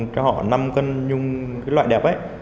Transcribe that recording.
cho họ năm kg nhung loại đẹp